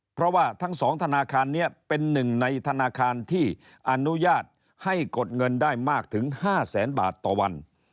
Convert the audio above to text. เพราะว่าทั้ง๒ธนาคารนี้เป็นหนึ่งในธนาคารที่อนุญาตให้กดเงินได้มากถึง๕แสนบาทต่อวัน